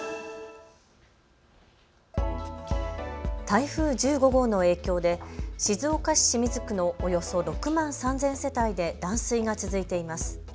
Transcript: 台風１５号の影響で静岡市清水区のおよそ６万３０００世帯で断水が続いています。